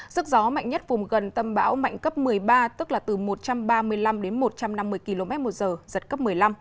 sức gió mạnh nhất vùng gần tâm bão mạnh cấp một mươi ba tức là từ một trăm ba mươi năm đến một trăm năm mươi km một giờ giật cấp một mươi năm